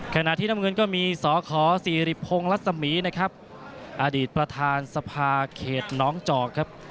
ขณะที่น้ำเงินก็มีสขสิริพงศ์รัศมีนะครับอดีตประธานสภาเขตน้องจอกครับ